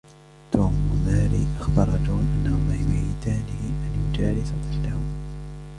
توم وماري أخبرا جون أنهما يريدانه أن يجالس طفلهما